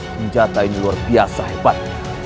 senjata ini luar biasa hebat